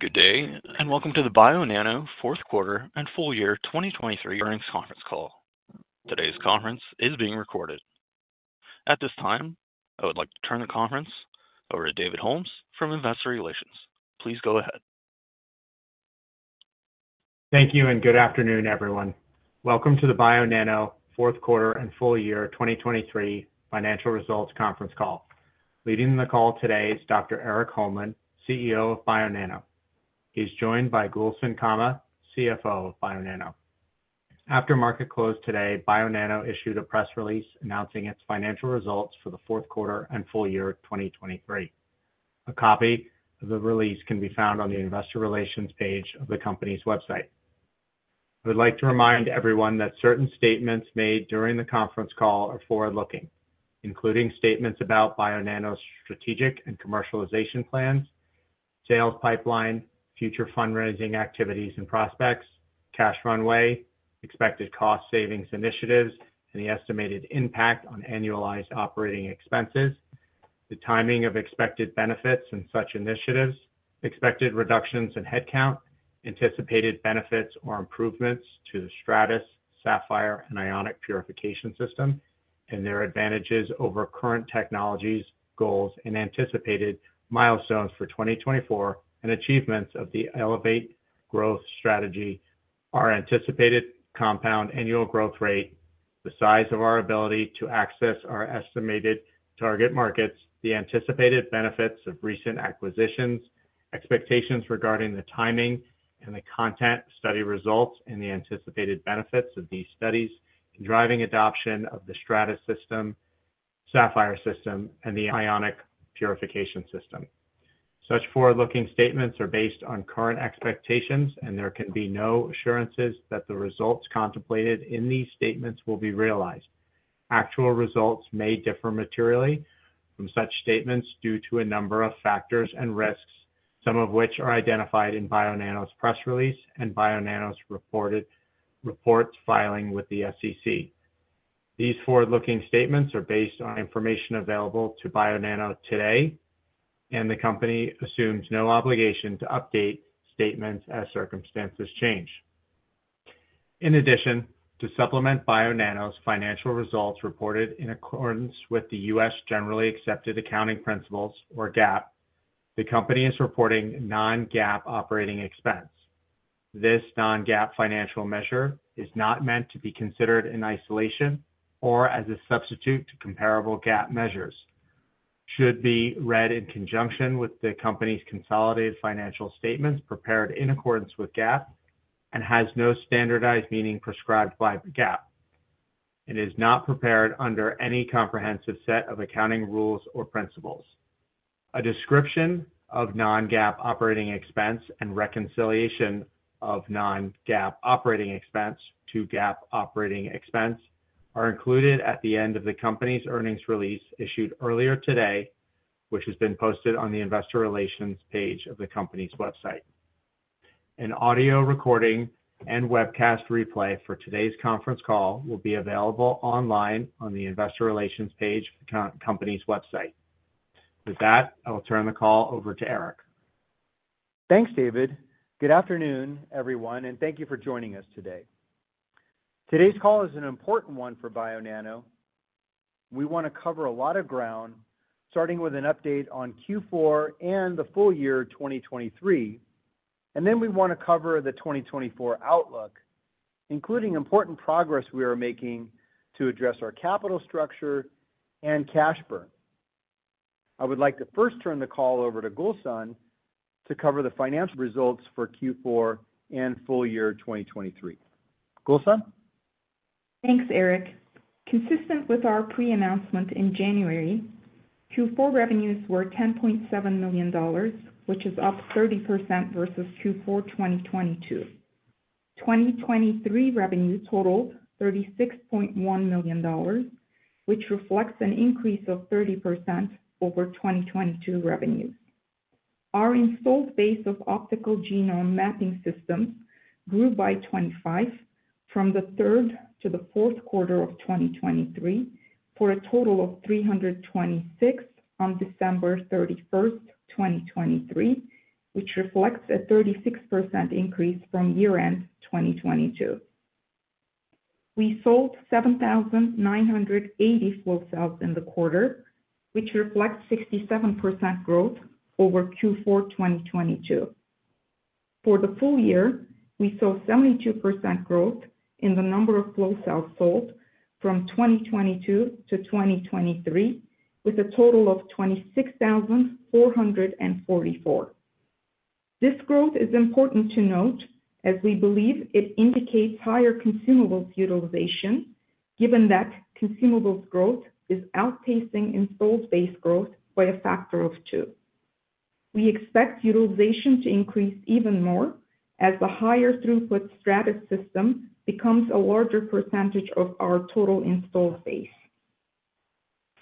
Good day and welcome to the Bionano Fourth Quarter and Full Year 2023 Earnings conference Call. Today's conference is being recorded. At this time, I would like to turn the conference over to David Holmes from Investor Relations. Please go ahead. Thank you and good afternoon, everyone. Welcome to the Bionano fourth quarter and full year 2023 financial results conference call. Leading the call today is Dr. Erik Holmlin, CEO of Bionano. He's joined by Gulsen Kama, CFO of Bionano. After market close today, Bionano issued a press release announcing its financial results for the fourth quarter and full year 2023. A copy of the release can be found on the Investor Relations page of the company's website. I would like to remind everyone that certain statements made during the conference call are forward-looking, including statements about Bionano's strategic and commercialization plans, sales pipeline, future fundraising activities and prospects, cash runway, expected cost savings initiatives, and the estimated impact on annualized operating expenses, the timing of expected benefits in such initiatives, expected reductions in headcount, anticipated benefits or improvements to the Stratys Saphyr and Ionic Purification System, and their advantages over current technologies, goals, and anticipated milestones for 2024 and achievements of the Elevate Growth strategy, our anticipated compound annual growth rate, the size of our ability to access our estimated target markets, the anticipated benefits of recent acquisitions, expectations regarding the timing and the content study results, and the anticipated benefits of these studies in driving adoption of the Stratys Saphyr system and the Ionic Purification System. Such forward-looking statements are based on current expectations, and there can be no assurances that the results contemplated in these statements will be realized. Actual results may differ materially from such statements due to a number of factors and risks, some of which are identified in Bionano's press release and Bionano's reports filing with the SEC. These forward-looking statements are based on information available to Bionano today, and the company assumes no obligation to update statements as circumstances change. In addition, to supplement Bionano's financial results reported in accordance with the U.S. Generally Accepted Accounting Principles, or GAAP, the company is reporting non-GAAP operating expense. This non-GAAP financial measure is not meant to be considered in isolation or as a substitute to comparable GAAP measures, should be read in conjunction with the company's consolidated financial statements prepared in accordance with GAAP and has no standardized meaning prescribed by GAAP. It is not prepared under any comprehensive set of accounting rules or principles. A description of non-GAAP operating expense and reconciliation of non-GAAP operating expense to GAAP operating expense are included at the end of the company's earnings release issued earlier today, which has been posted on the Investor Relations page of the company's website. An audio recording and webcast replay for today's conference call will be available online on the Investor Relations page of the company's website. With that, I will turn the call over to Erik. Thanks, David. Good afternoon, everyone, and thank you for joining us today. Today's call is an important one for Bionano. We want to cover a lot of ground, starting with an update on Q4 and the full year 2023, and then we want to cover the 2024 outlook, including important progress we are making to address our capital structure and cash burn. I would like to first turn the call over to Gulsen to cover the financial results for Q4 and full year 2023. Gulsen? Thanks, Erik. Consistent with our pre-announcement in January, Q4 revenues were $10.7 million, which is up 30% versus Q4 2022. 2023 revenue totaled $36.1 million, which reflects an increase of 30% over 2022 revenues. Our installed base of Optical Genome Mapping systems grew by 25% from the third to the fourth quarter of 2023 for a total of 326 on December 31st, 2023, which reflects a 36% increase from year-end 2022. We sold 7,980 Flow Cells in the quarter, which reflects 67% growth over Q4 2022. For the full year, we saw 72% growth in the number of Flow Cells sold from 2022 to 2023, with a total of 26,444. This growth is important to note as we believe it indicates higher Consumables utilization, given that Consumables growth is outpacing installed base growth by a factor of two. We expect utilization to increase even more as the higher throughput Stratys system becomes a larger percentage of our total installed base.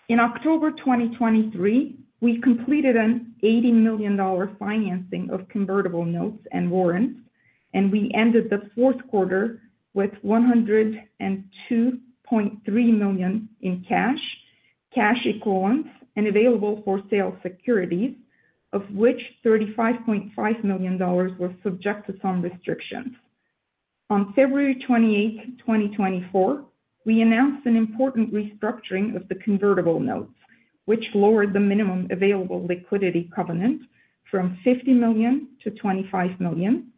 In October 2023, we completed an $80 million financing of convertible notes and warrants, and we ended the fourth quarter with $102.3 million in cash equivalents and available for sale securities, of which $35.5 million were subjected to some restrictions. On February 28th, 2024, we announced an important restructuring of the convertible notes, which lowered the minimum available liquidity covenant from $50 million to $25 million,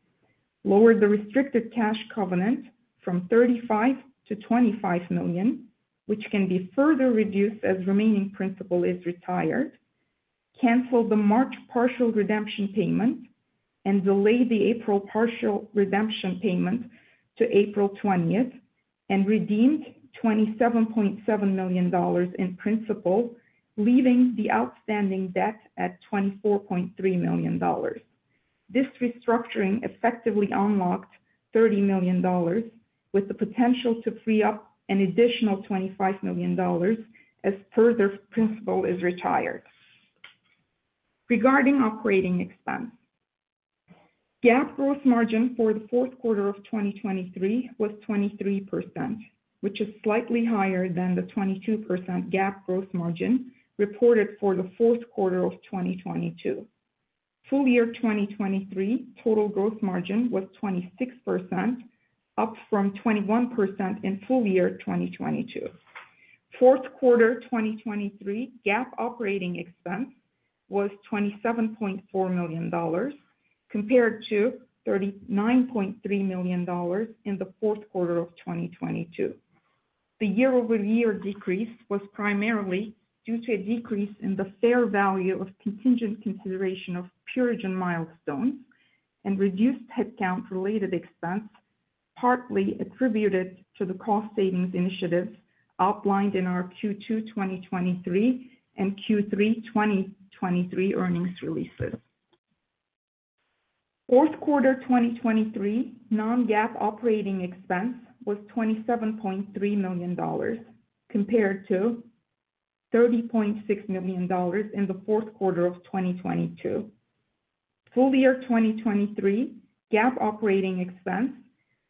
lowered the restricted cash covenant from $35 million to $25 million, which can be further reduced as remaining principal is retired, canceled the March partial redemption payment and delayed the April partial redemption payment to April 20th, and redeemed $27.7 million in principal, leaving the outstanding debt at $24.3 million. This restructuring effectively unlocked $30 million with the potential to free up an additional $25 million as further principal is retired. Regarding operating expense, GAAP gross margin for the fourth quarter of 2023 was 23%, which is slightly higher than the 22% GAAP gross margin reported for the fourth quarter of 2022. Full year 2023 total gross margin was 26%, up from 21% in full year 2022. Fourth quarter 2023 GAAP operating expense was $27.4 million compared to $39.3 million in the fourth quarter of 2022. The year-over-year decrease was primarily due to a decrease in the fair value of contingent consideration of Purigen milestones and reduced headcount-related expense, partly attributed to the cost savings initiatives outlined in our Q2 2023 and Q3 2023 earnings releases. Fourth quarter 2023 non-GAAP operating expense was $27.3 million compared to $30.6 million in the fourth quarter of 2022. Full year 2023 GAAP operating expense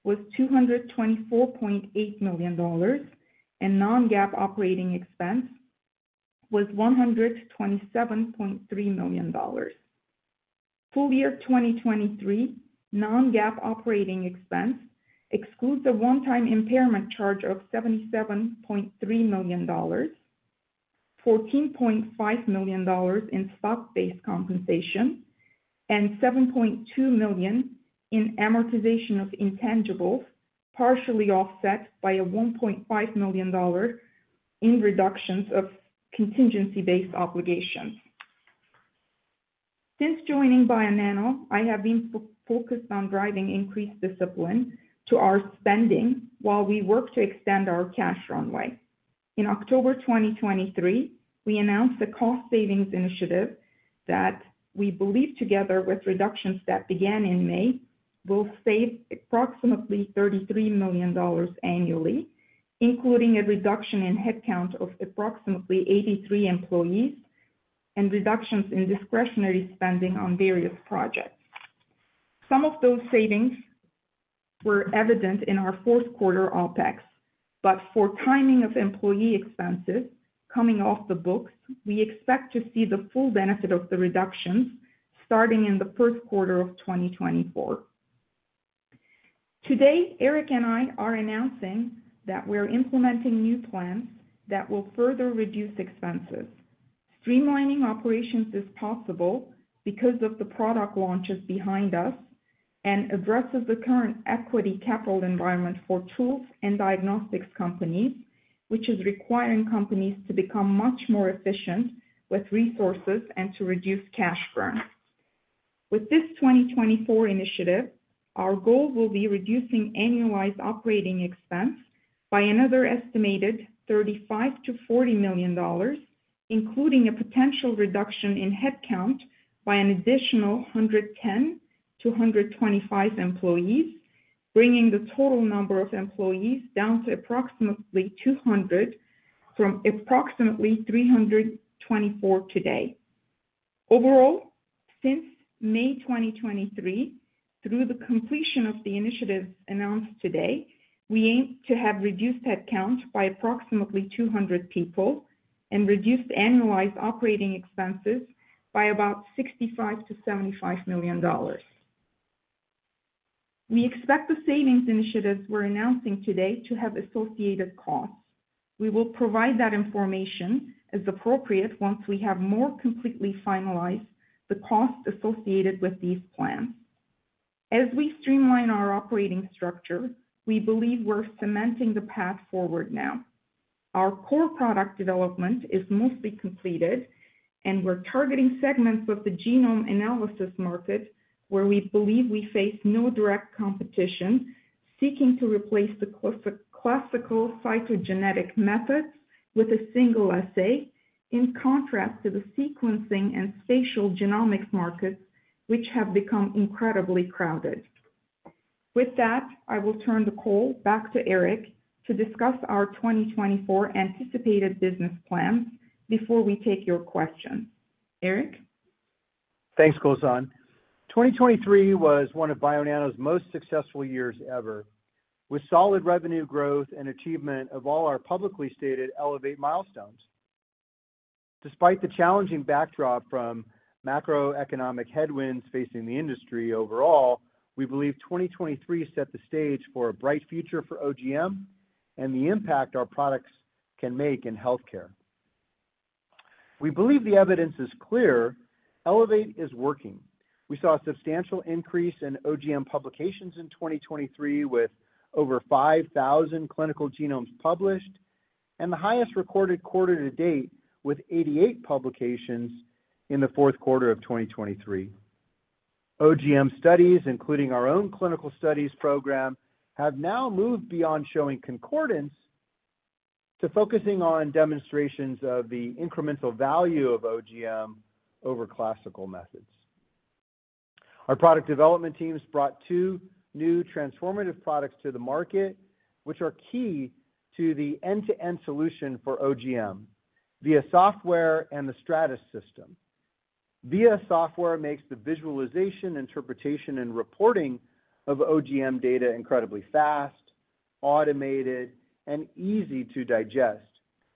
was $224.8 million, and non-GAAP operating expense was $127.3 million. Full year 2023 non-GAAP operating expense excludes a one-time impairment charge of $77.3 million, $14.5 million in stock-based compensation, and $7.2 million in amortization of intangibles, partially offset by a $1.5 million in reductions of contingency-based obligations. Since joining Bionano, I have been focused on driving increased discipline to our spending while we work to extend our cash runway. In October 2023, we announced the cost savings initiative that we believe together with reductions that began in May will save approximately $33 million annually, including a reduction in headcount of approximately 83 employees and reductions in discretionary spending on various projects. Some of those savings were evident in our fourth quarter OpEx, but for timing of employee expenses coming off the books, we expect to see the full benefit of the reductions starting in the first quarter of 2024. Today, Erik and I are announcing that we're implementing new plans that will further reduce expenses. Streamlining operations is possible because of the product launches behind us and addresses the current equity capital environment for tools and diagnostics companies, which is requiring companies to become much more efficient with resources and to reduce cash burn. With this 2024 initiative, our goal will be reducing annualized operating expense by another estimated $35-$40 million, including a potential reduction in headcount by an additional 110-125 employees, bringing the total number of employees down to approximately 200 from approximately 324 today. Overall, since May 2023, through the completion of the initiatives announced today, we aim to have reduced headcount by approximately 200 people and reduced annualized operating expenses by about $65 million-$75 million. We expect the savings initiatives we're announcing today to have associated costs. We will provide that information as appropriate once we have more completely finalized the costs associated with these plans. As we streamline our operating structure, we believe we're cementing the path forward now. Our core product development is mostly completed, and we're targeting segments of the genome analysis market where we believe we face no direct competition seeking to replace the classical cytogenetic methods with a single assay, in contrast to the sequencing and spatial genomics markets, which have become incredibly crowded. With that, I will turn the call back to Erik to discuss our 2024 anticipated business plans before we take your questions. Erik? Thanks, Gulsen. 2023 was one of Bionano's most successful years ever, with solid revenue growth and achievement of all our publicly stated Elevate milestones. Despite the challenging backdrop from macroeconomic headwinds facing the industry overall, we believe 2023 set the stage for a bright future for OGM and the impact our products can make in healthcare. We believe the evidence is clear Elevate is working. We saw a substantial increase in OGM publications in 2023 with over 5,000 clinical genomes published and the highest recorded quarter to date with 88 publications in the fourth quarter of 2023. OGM studies, including our own clinical studies program, have now moved beyond showing concordance to focusing on demonstrations of the incremental value of OGM over classical methods. Our product development teams brought two new transformative products to the market, which are key to the end-to-end solution for OGM VIA software and the Stratys system. VIA software makes the visualization, interpretation, and reporting of OGM data incredibly fast, automated, and easy to digest.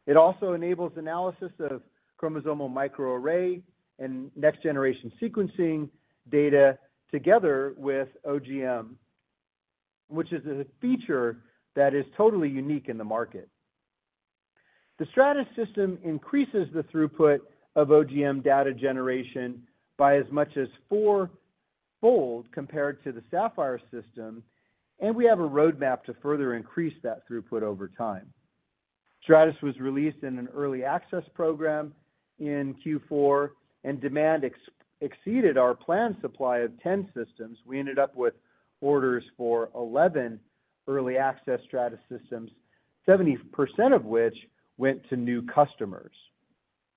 It also enables analysis of chromosomal microarray and next-generation sequencing data together with OGM, which is a feature that is totally unique in the market. The Stratys system increases the throughput of OGM data generation by as much as fourfold compared to the Saphyr system, and we have a roadmap to further increase that throughput over time. Stratys was released in an early access program in Q4, and demand exceeded our planned supply of 10 systems. We ended up with orders for 11 early access Stratys systems, 70% of which went to new customers.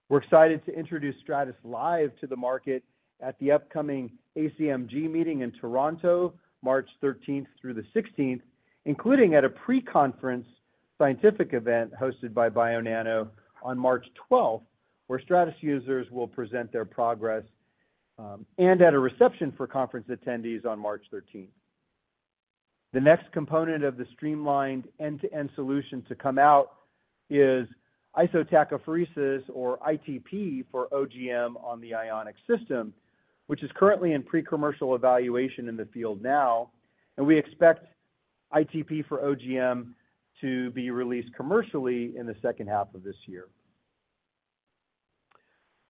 We're excited to introduce Stratys live to the market at the upcoming ACMG meeting in Toronto, March 13th through the 16th, including at a pre-conference scientific event hosted by Bionano on March 12th, where Stratys users will present their progress, and at a reception for conference attendees on March 13th. The next component of the streamlined end-to-end solution to come out is isotachophoresis, or ITP for OGM, on the Ionic system, which is currently in pre-commercial evaluation in the field now, and we expect ITP for OGM to be released commercially in the second half of this year.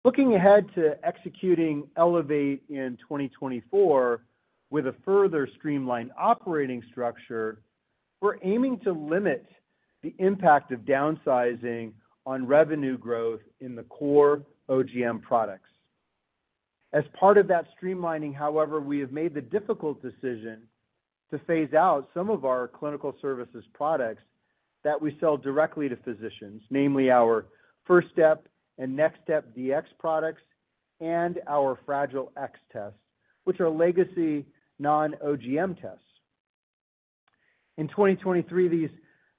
Looking ahead to executing Elevate in 2024 with a further streamlined operating structure, we're aiming to limit the impact of downsizing on revenue growth in the core OGM products. As part of that streamlining, however, we have made the difficult decision to phase out some of our clinical service products that we sell directly to physicians, namely our FirstStepDx and NextStepDx products and our Fragile X tests, which are legacy non-OGM tests. In 2023, these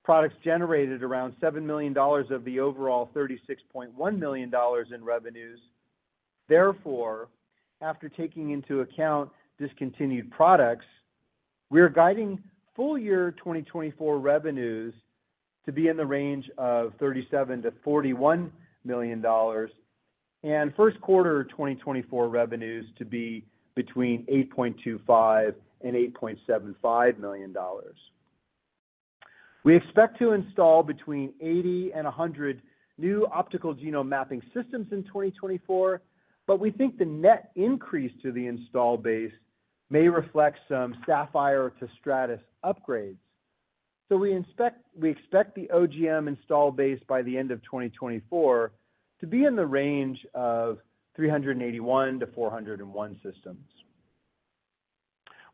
products generated around $7 million of the overall $36.1 million in revenues. Therefore, after taking into account discontinued products, we're guiding full year 2024 revenues to be in the range of $37-$41 million, and first-quarter 2024 revenues to be between $8.25 and $8.75 million. We expect to install between 80 and 100 new optical genome mapping systems in 2024, but we think the net increase to the install base may reflect some Saphyr to Stratys upgrades. So we expect the OGM install base by the end of 2024 to be in the range of 381-401 systems.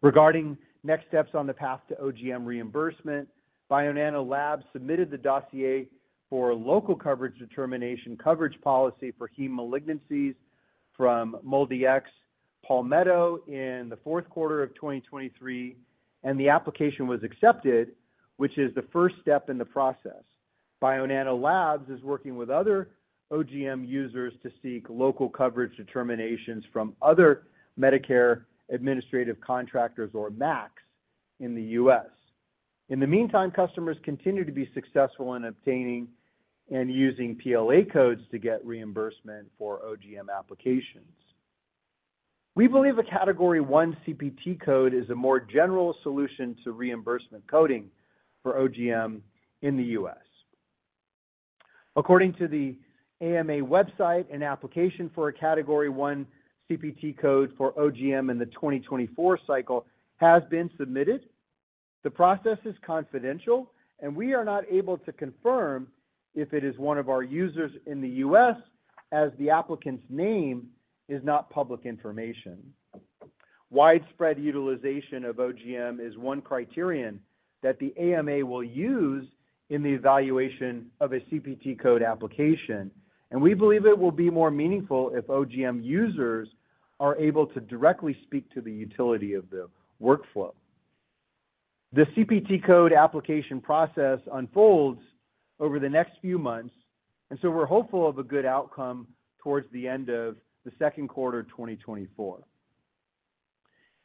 Regarding next steps on the path to OGM reimbursement, Bionano Labs submitted the dossier for local coverage determination coverage policy for heme malignancies from MolDX Palmetto in the fourth quarter of 2023, and the application was accepted, which is the first step in the process. Bionano Labs is working with other OGM users to seek local coverage determinations from other Medicare Administrative Contractors, or MACs, in the U.S. In the meantime, customers continue to be successful in obtaining and using PLA codes to get reimbursement for OGM applications. We believe a Category 1 CPT code is a more general solution to reimbursement coding for OGM in the U.S. According to the AMA website, an application for a Category 1 CPT code for OGM in the 2024 cycle has been submitted. The process is confidential, and we are not able to confirm if it is one of our users in the U.S., as the applicant's name is not public information. Widespread utilization of OGM is one criterion that the AMA will use in the evaluation of a CPT code application, and we believe it will be more meaningful if OGM users are able to directly speak to the utility of the workflow. The CPT code application process unfolds over the next few months, and so we're hopeful of a good outcome towards the end of the second quarter 2024.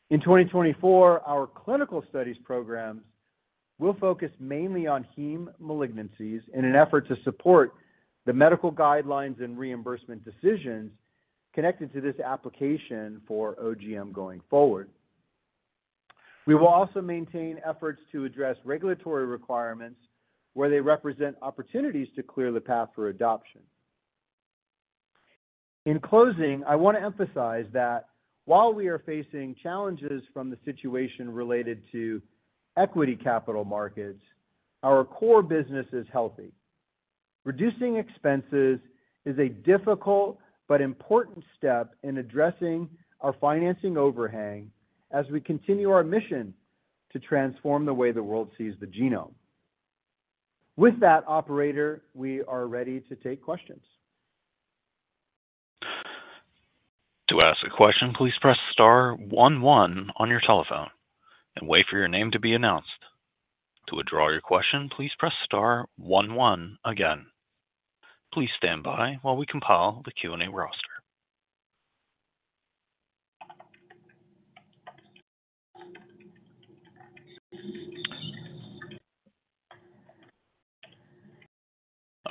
In 2024, our clinical studies programs will focus mainly on heme malignancies in an effort to support the medical guidelines and reimbursement decisions connected to this application for OGM going forward. We will also maintain efforts to address regulatory requirements where they represent opportunities to clear the path for adoption. In closing, I want to emphasize that while we are facing challenges from the situation related to equity capital markets, our core business is healthy. Reducing expenses is a difficult but important step in addressing our financing overhang as we continue our mission to transform the way the world sees the genome. With that, operator, we are ready to take questions. To ask a question, please press star 11 on your telephone and wait for your name to be announced. To withdraw your question, please press star 11 again. Please stand by while we compile the Q&A roster.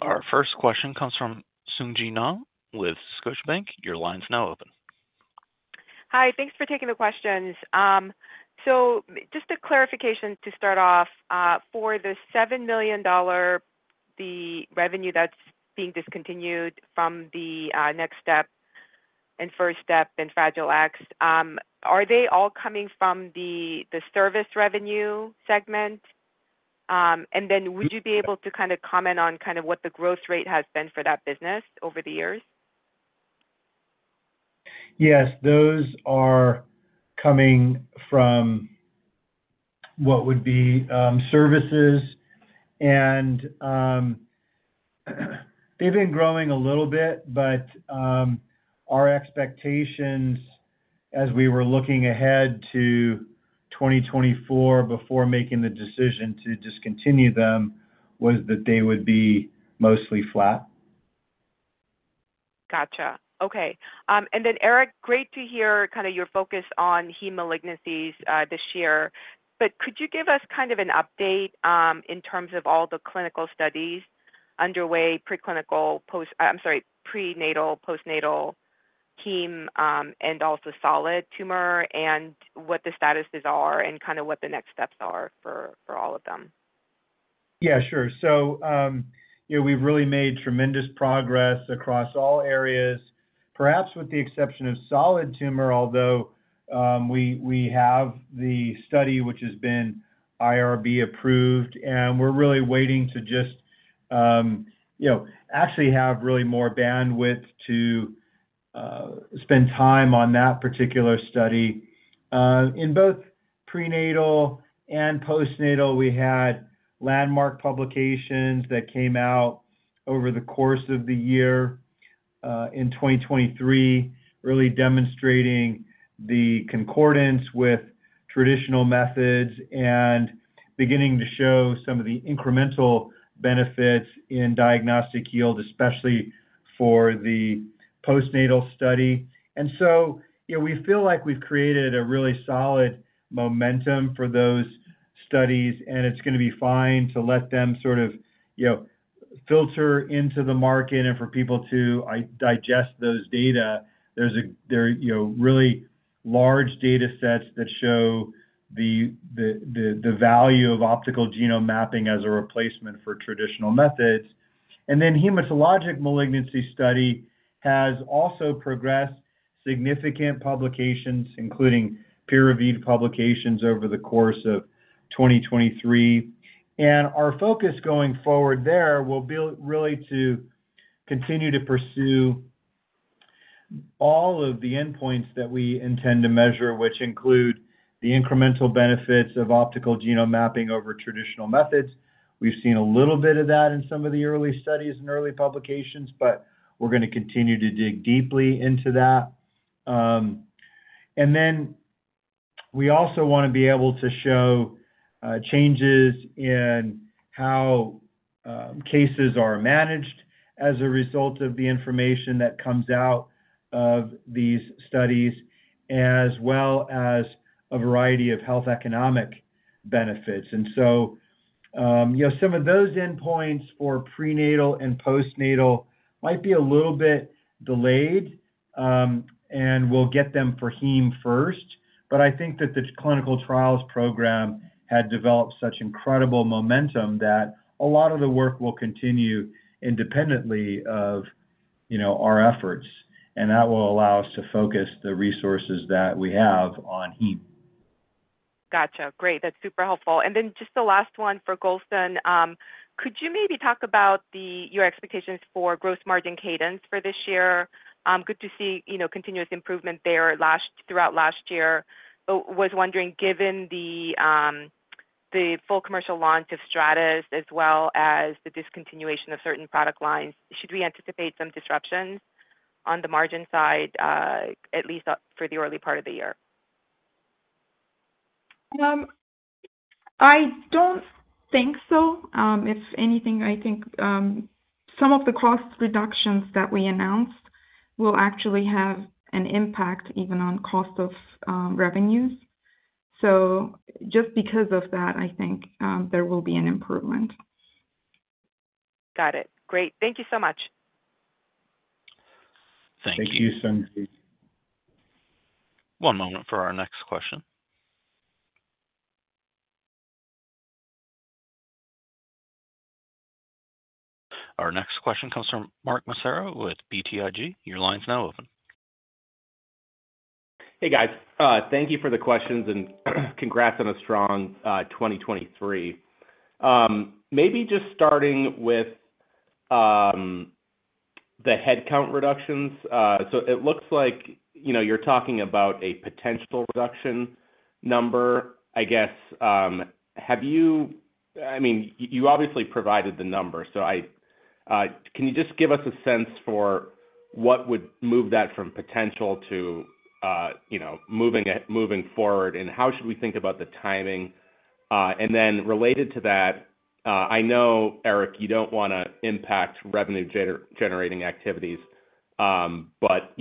Our first question comes from Sung Ji Nam with Scotiabank. Your line's now open. Hi. Thanks for taking the questions. So just a clarification to start off. For the $7 million revenue that's being discontinued from the NextStepDx and FirstStepDx and Fragile X, are they all coming from the service revenue segment? And then would you be able to kind of comment on kind of what the growth rate has been for that business over the years? Yes. Those are coming from what would be services, and they've been growing a little bit, but our expectations as we were looking ahead to 2024 before making the decision to discontinue them was that they would be mostly flat. Gotcha. Okay. And then, Erik, great to hear kind of your focus on heme malignancies this year, but could you give us kind of an update in terms of all the clinical studies underway, I'm sorry, prenatal, postnatal, heme, and also solid tumor, and what the status is and kind of what the next steps are for all of them? Yeah. Sure. So we've really made tremendous progress across all areas, perhaps with the exception of solid tumor, although we have the study, which has been IRB approved, and we're really waiting to just actually have really more bandwidth to spend time on that particular study. In both prenatal and postnatal, we had landmark publications that came out over the course of the year in 2023, really demonstrating the concordance with traditional methods and beginning to show some of the incremental benefits in diagnostic yield, especially for the postnatal study. And so we feel like we've created a really solid momentum for those studies, and it's going to be fine to let them sort of filter into the market and for people to digest those data. There are really large datasets that show the value of Optical Genome Mapping as a replacement for traditional methods. The hematologic malignancy study has also progressed significant publications, including peer-reviewed publications, over the course of 2023. Our focus going forward there will be really to continue to pursue all of the endpoints that we intend to measure, which include the incremental benefits of optical genome mapping over traditional methods. We've seen a little bit of that in some of the early studies and early publications, but we're going to continue to dig deeply into that. We also want to be able to show changes in how cases are managed as a result of the information that comes out of these studies, as well as a variety of health economic benefits. Some of those endpoints for prenatal and postnatal might be a little bit delayed, and we'll get them for heme first. But I think that the clinical trials program had developed such incredible momentum that a lot of the work will continue independently of our efforts, and that will allow us to focus the resources that we have on heme. Gotcha. Great. That's super helpful. And then just the last one for Gulsen. Could you maybe talk about your expectations for gross margin cadence for this year? Good to see continuous improvement there throughout last year. But I was wondering, given the full commercial launch of Stratys as well as the discontinuation of certain product lines, should we anticipate some disruptions on the margin side, at least for the early part of the year? I don't think so. If anything, I think some of the cost reductions that we announced will actually have an impact even on cost of revenues. So just because of that, I think there will be an improvement. Got it. Great. Thank you so much. Thank you. Thank you, Sung Ji Nam. One moment for our next question. Our next question comes from Mark Massaro with BTIG. Your line's now open. Hey, guys. Thank you for the questions, and congrats on a strong 2023. Maybe just starting with the headcount reductions. So it looks like you're talking about a potential reduction number, I guess. I mean, you obviously provided the number, so can you just give us a sense for what would move that from potential to moving forward, and how should we think about the timing? And then related to that, I know, Erik, you don't want to impact revenue-generating activities, but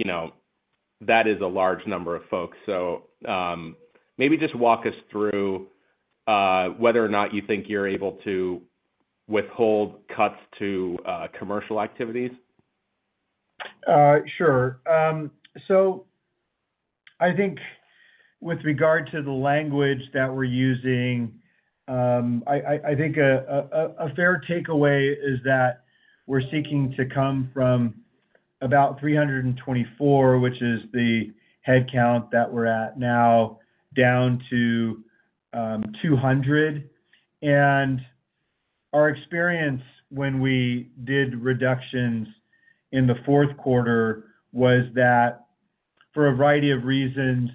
that is a large number of folks. So maybe just walk us through whether or not you think you're able to withhold cuts to commercial activities. Sure. So I think with regard to the language that we're using, I think a fair takeaway is that we're seeking to come from about 324, which is the headcount that we're at now, down to 200. And our experience when we did reductions in the fourth quarter was that for a variety of reasons,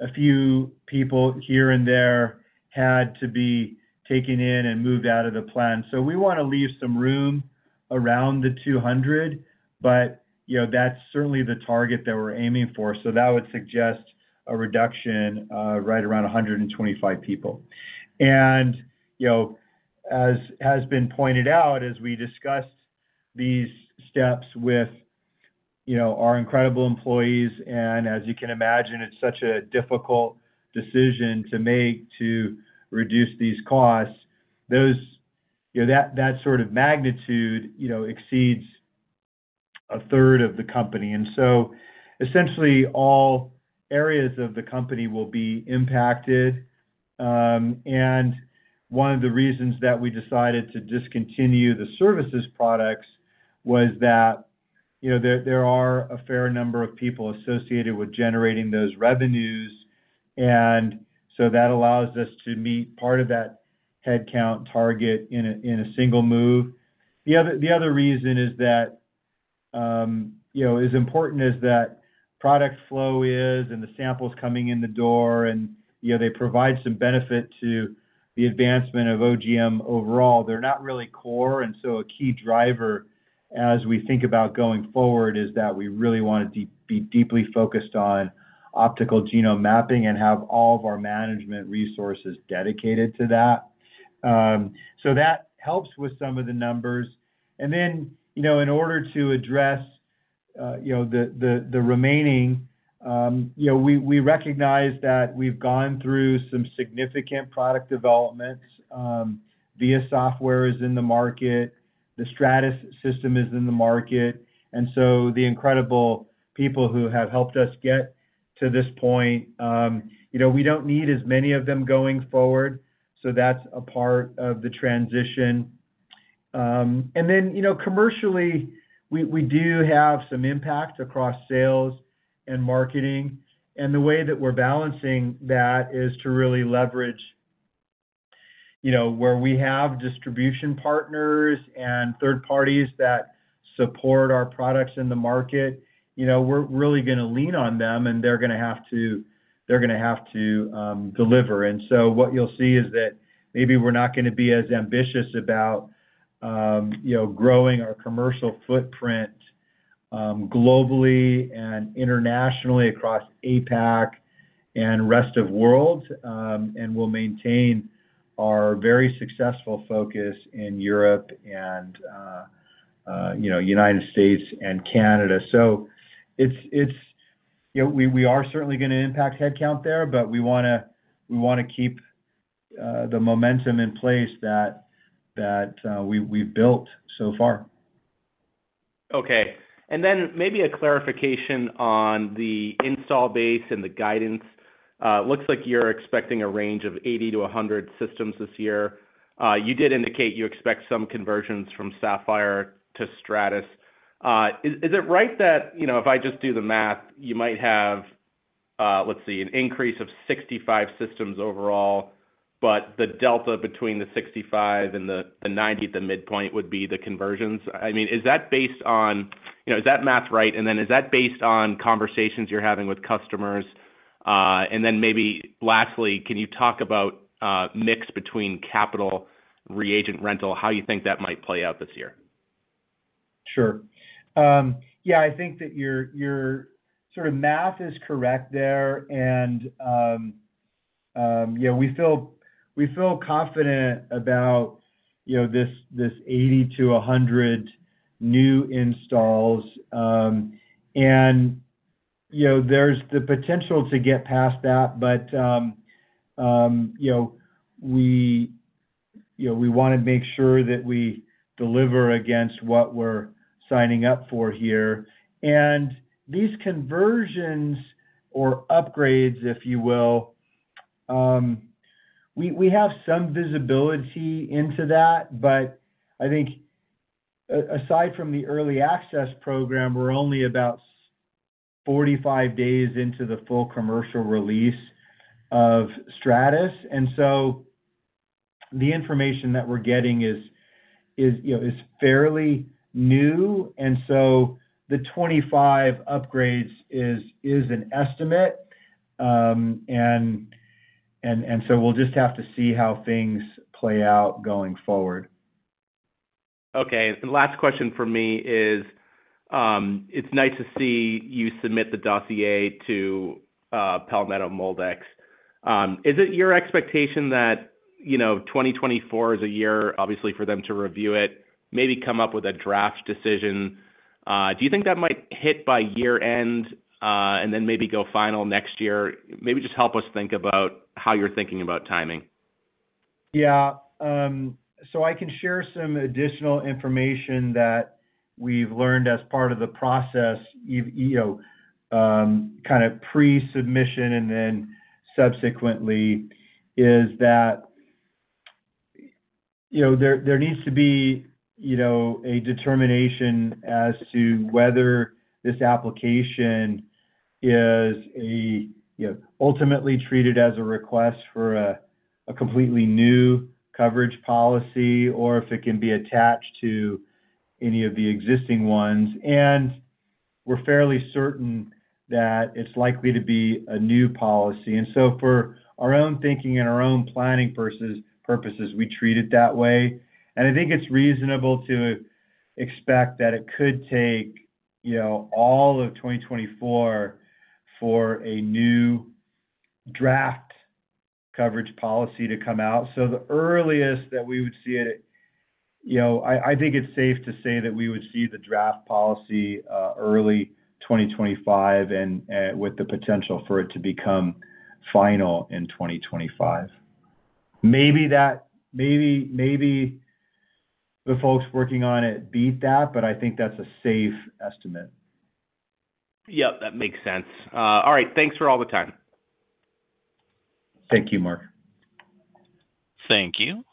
a few people here and there had to be taken in and moved out of the plan. So we want to leave some room around the 200, but that's certainly the target that we're aiming for. So that would suggest a reduction right around 125 people. And as has been pointed out, as we discussed these steps with our incredible employees, and as you can imagine, it's such a difficult decision to make to reduce these costs, that sort of magnitude exceeds a third of the company. So essentially, all areas of the company will be impacted. One of the reasons that we decided to discontinue the services products was that there are a fair number of people associated with generating those revenues, and so that allows us to meet part of that headcount target in a single move. The other reason, as important as that product flow is and the samples coming in the door, and they provide some benefit to the advancement of OGM overall, they're not really core. So a key driver as we think about going forward is that we really want to be deeply focused on Optical Genome Mapping and have all of our management resources dedicated to that. That helps with some of the numbers. Then in order to address the remaining, we recognize that we've gone through some significant product developments. software is in the market. The Stratys system is in the market. So the incredible people who have helped us get to this point, we don't need as many of them going forward, so that's a part of the transition. Then commercially, we do have some impact across sales and marketing, and the way that we're balancing that is to really leverage where we have distribution partners and third parties that support our products in the market, we're really going to lean on them, and they're going to have to deliver. So what you'll see is that maybe we're not going to be as ambitious about growing our commercial footprint globally and internationally across APAC and rest of the world, and we'll maintain our very successful focus in Europe and United States and Canada. We are certainly going to impact headcount there, but we want to keep the momentum in place that we've built so far. Okay. Then maybe a clarification on the installed base and the guidance. It looks like you're expecting a range of 80-100 systems this year. You did indicate you expect some conversions from Saphyr to Stratys. Is it right that if I just do the math, you might have, let's see, an increase of 65 systems overall, but the delta between the 65 and the 90 at the midpoint would be the conversions? I mean, is that based on is that math right? And then is that based on conversations you're having with customers? And then maybe lastly, can you talk about mix between capital, reagent rental, how you think that might play out this year? Sure. Yeah. I think that your sort of math is correct there, and we feel confident about this 80-100 new installs. And there's the potential to get past that, but we want to make sure that we deliver against what we're signing up for here. And these conversions or upgrades, if you will, we have some visibility into that, but I think aside from the early access program, we're only about 45 days into the full commercial release of Stratys. And so the information that we're getting is fairly new, and so the 25 upgrades is an estimate, and so we'll just have to see how things play out going forward. Okay. And last question for me is, it's nice to see you submit the dossier to Palmetto MolDX. Is it your expectation that 2024 is a year, obviously, for them to review it, maybe come up with a draft decision? Do you think that might hit by year-end and then maybe go final next year? Maybe just help us think about how you're thinking about timing. Yeah. So I can share some additional information that we've learned as part of the process kind of pre-submission and then subsequently, is that there needs to be a determination as to whether this application is ultimately treated as a request for a completely new coverage policy or if it can be attached to any of the existing ones. We're fairly certain that it's likely to be a new policy. So for our own thinking and our own planning purposes, we treat it that way. I think it's reasonable to expect that it could take all of 2024 for a new draft coverage policy to come out. The earliest that we would see it, I think it's safe to say that we would see the draft policy early 2025 with the potential for it to become final in 2025. Maybe the folks working on it beat that, but I think that's a safe estimate. Yep. That makes sense. All right. Thanks for all the time. Thank you, Mark. Thank you.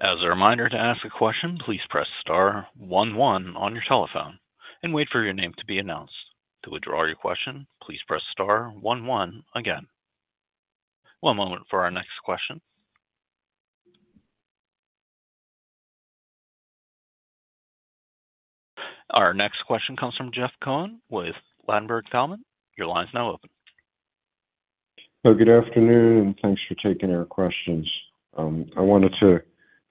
As a reminder to ask a question, please press star 11 on your telephone and wait for your name to be announced. To withdraw your question, please press star 11 again. One moment for our next question. Our next question comes from Jeff Cohen with Ladenburg Thalmann. Your line's now open. Oh, good afternoon, and thanks for taking our questions. I wanted to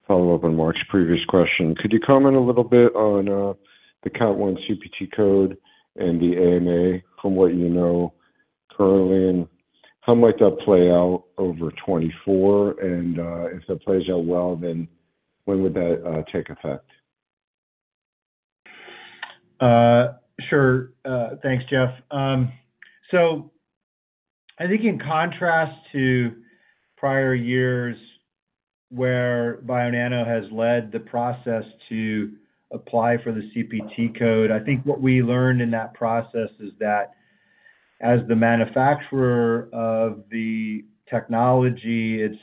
follow up on Mark's previous question. Could you comment a little bit on the Category I CPT code and the AMA from what you know currently, and how might that play out over 2024? And if that plays out well, then when would that take effect? Sure. Thanks, Jeff. So I think in contrast to prior years where Bionano has led the process to apply for the CPT code, I think what we learned in that process is that as the manufacturer of the technology, it's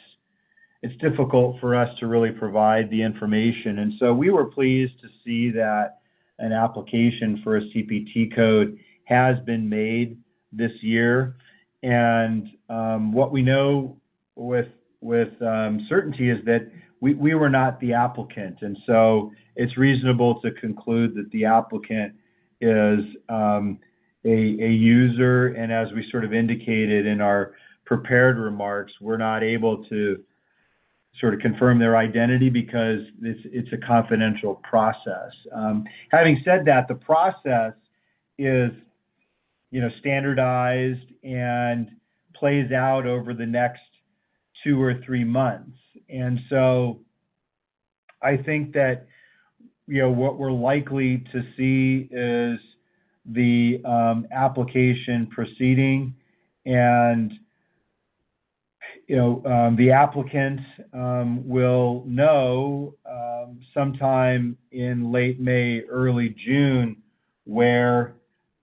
difficult for us to really provide the information. And so we were pleased to see that an application for a CPT code has been made this year. And what we know with certainty is that we were not the applicant. And so it's reasonable to conclude that the applicant is a user. And as we sort of indicated in our prepared remarks, we're not able to sort of confirm their identity because it's a confidential process. Having said that, the process is standardized and plays out over the next two or three months. I think that what we're likely to see is the application proceeding, and the applicants will know sometime in late May, early June where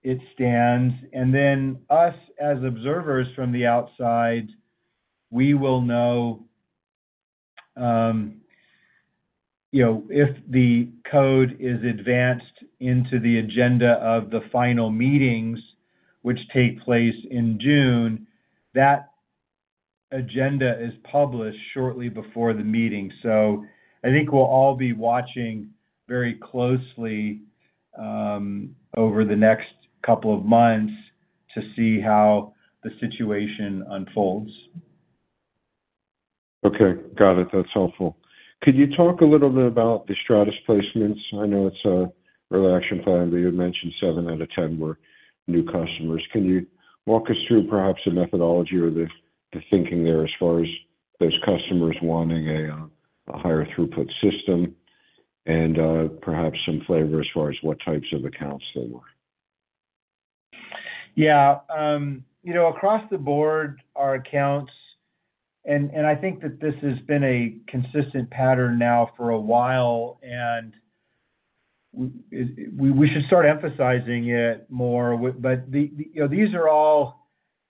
it stands. Then us as observers from the outside, we will know if the code is advanced into the agenda of the final meetings, which take place in June. That agenda is published shortly before the meeting. I think we'll all be watching very closely over the next couple of months to see how the situation unfolds. Okay. Got it. That's helpful. Could you talk a little bit about the Stratys placements? I know it's a rollout plan, but you had mentioned 7 out of 10 were new customers. Can you walk us through perhaps the methodology or the thinking there as far as those customers wanting a higher throughput system and perhaps some flavor as far as what types of accounts they were? Yeah. Across the board, our accounts and I think that this has been a consistent pattern now for a while, and we should start emphasizing it more. But these are all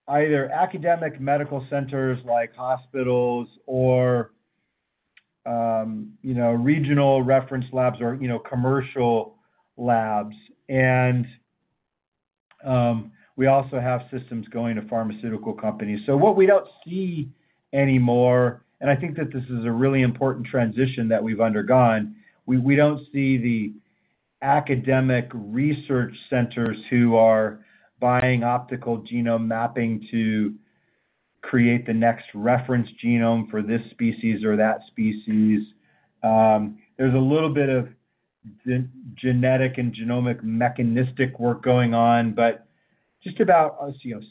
either academic medical centers like hospitals or regional reference labs or commercial labs. We also have systems going to pharmaceutical companies. So what we don't see anymore, and I think that this is a really important transition that we've undergone. We don't see the academic research centers who are buying optical genome mapping to create the next reference genome for this species or that species. There's a little bit of genetic and genomic mechanistic work going on, but just about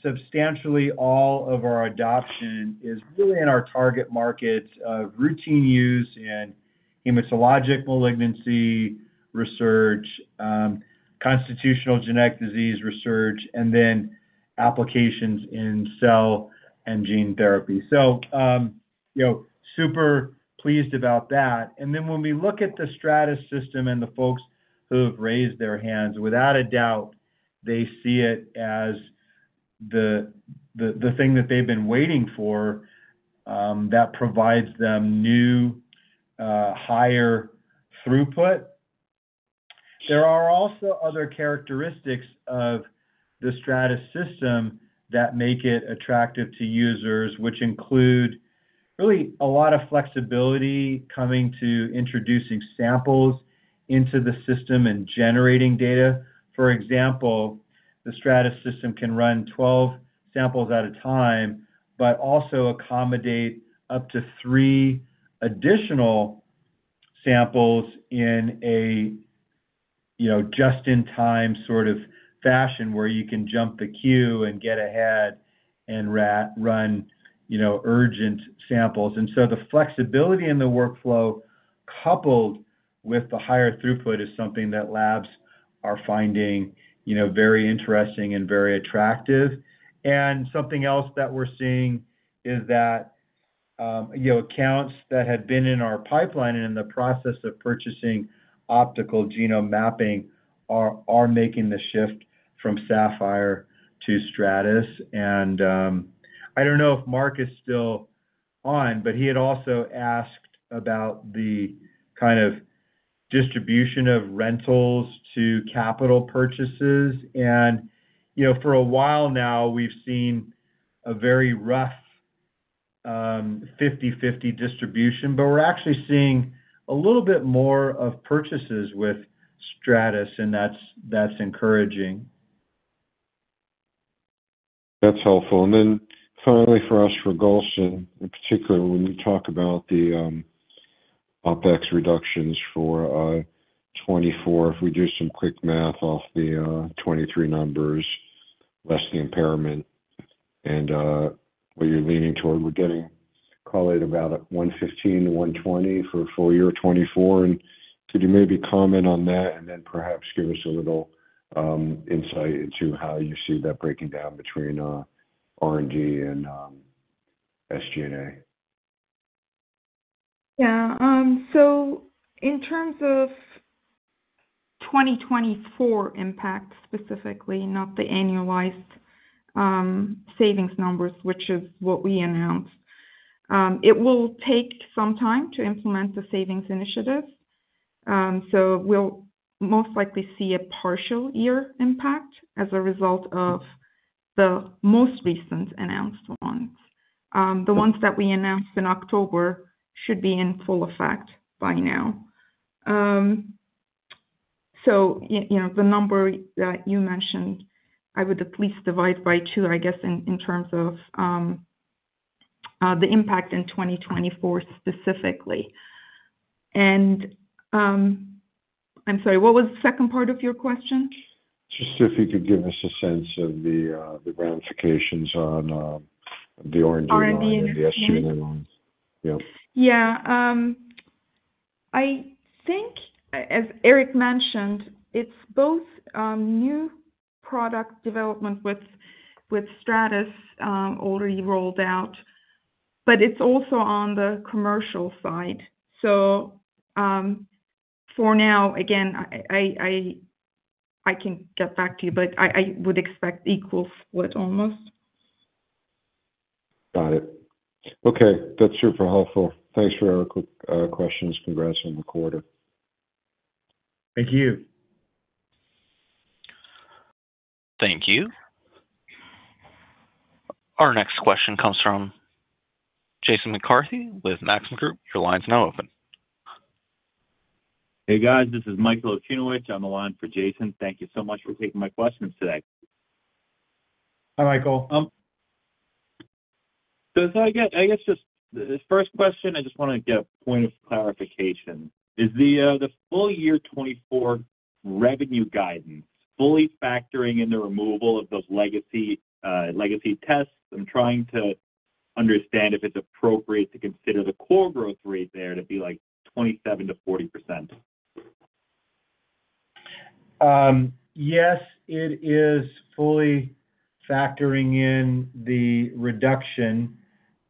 substantially, all of our adoption is really in our target markets of routine use in hematologic malignancy research, constitutional genetic disease research, and then applications in cell and gene therapy. So super pleased about that. Then when we look at the Stratys system and the folks who have raised their hands, without a doubt, they see it as the thing that they've been waiting for that provides them new higher throughput. There are also other characteristics of the Stratys system that make it attractive to users, which include really a lot of flexibility coming to introducing samples into the system and generating data. For example, the Stratys system can run 12 samples at a time but also accommodate up to 3 additional samples in a just-in-time sort of fashion where you can jump the queue and get ahead and run urgent samples. So the flexibility in the workflow coupled with the higher throughput is something that labs are finding very interesting and very attractive. Something else that we're seeing is that accounts that had been in our pipeline and in the process of purchasing optical genome mapping are making the shift from Saphyr to Stratys. I don't know if Mark is still on, but he had also asked about the kind of distribution of rentals to capital purchases. For a while now, we've seen a very rough 50/50 distribution, but we're actually seeing a little bit more of purchases with Stratys, and that's encouraging. That's helpful. Then finally, for us, for Gulsen, in particular, when you talk about the OpEx reductions for 2024, if we do some quick math off the 2023 numbers, less the impairment and what you're leaning toward, we're getting, call it, about $115 million-$120 million for a full year 2024. Could you maybe comment on that and then perhaps give us a little insight into how you see that breaking down between R&D and SG&A? Yeah. So in terms of 2024 impact specifically, not the annualized savings numbers, which is what we announced, it will take some time to implement the savings initiative. So we'll most likely see a partial year impact as a result of the most recent announced ones. The ones that we announced in October should be in full effect by now. So the number that you mentioned, I would at least divide by two, I guess, in terms of the impact in 2024 specifically. And I'm sorry, what was the second part of your question? Just if you could give us a sense of the ramifications on the R&D and the SG&A line? R&D and SG&A line. Yep. Yeah. I think, as Erik mentioned, it's both new product development with Stratys already rolled out, but it's also on the commercial side. So for now, again, I can get back to you, but I would expect equal split almost. Got it. Okay. That's super helpful. Thanks for our quick questions. Congrats on the quarter. Thank you. Thank you. Our next question comes from Jason McCarthy with Maxim Group. Your line's now open. Hey, guys. This is Michael Okunewitch. I'm on the line for Jason. Thank you so much for taking my questions today. Hi, Michael. So I guess just the first question, I just want to get a point of clarification. Is the full year 2024 revenue guidance fully factoring in the removal of those legacy tests? I'm trying to understand if it's appropriate to consider the core growth rate there to be like 27%-40%. Yes, it is fully factoring in the reduction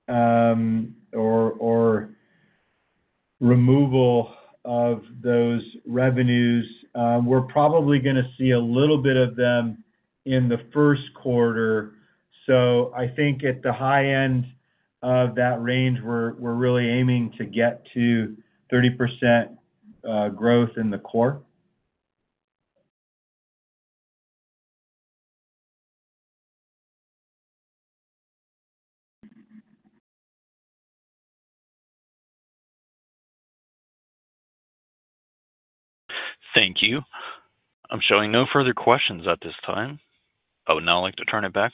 or removal of those revenues. We're probably going to see a little bit of them in the first quarter. So I think at the high end of that range, we're really aiming to get to 30% growth in the core. Thank you. I'm showing no further questions at this time. I would now like to turn it back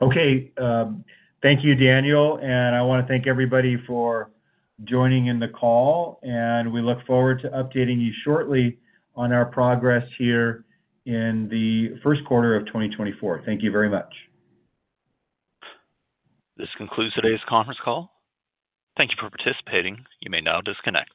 to Erik Holmlin for closing remarks. Okay. Thank you, Daniel. I want to thank everybody for joining in the call, and we look forward to updating you shortly on our progress here in the first quarter of 2024. Thank you very much. This concludes today's conference call. Thank you for participating. You may now disconnect.